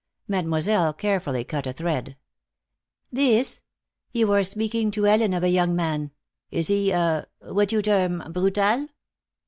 Mademoiselle carefully cut a thread. "This you were speaking to Ellen of a young man. Is he a what you term brutal?"